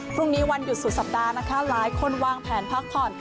วันหยุดสุดสัปดาห์นะคะหลายคนวางแผนพักผ่อน